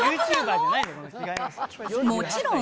もちろん！